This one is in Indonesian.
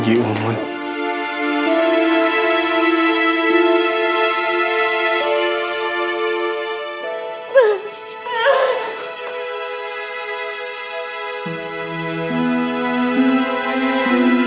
gimana aku buat tenang